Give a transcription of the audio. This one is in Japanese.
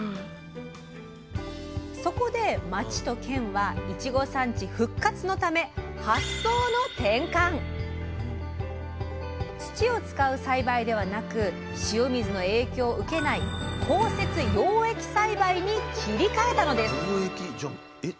そこで町と県はいちご産地復活のため土を使う栽培ではなく塩水の影響を受けない「高設養液栽培」に切り替えたのです